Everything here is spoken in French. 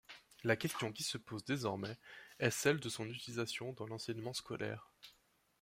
La question qui se pose désormais est celle de son utilisation dans l'enseignement scolaire.